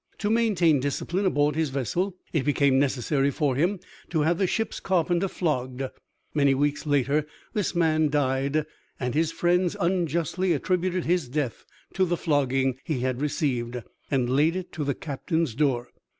To maintain discipline aboard his vessel it became necessary for him to have the ship's carpenter flogged. Many weeks later this man died, and his friends unjustly attributed his death to the flogging he had received, and laid it to the captain's door.